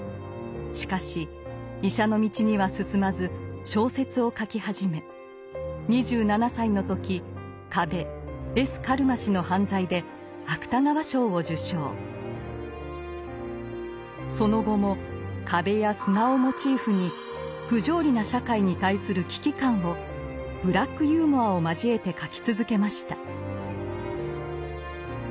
しかし医者の道には進まず小説を書き始め２７歳の時その後も「壁」や「砂」をモチーフに不条理な社会に対する危機感をブラックユーモアを交えて書き続けました。